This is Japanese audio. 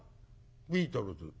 「ビートルズ」。